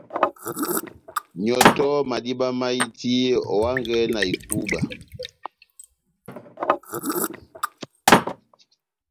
Nyɔtɔhɔ madíba máhiti, ohangɛ na ikúbwa.